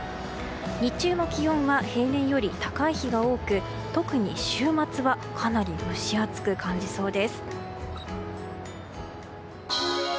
日中の気温は平年より高い日が多く特に週末はかなり蒸し暑く感じそうです。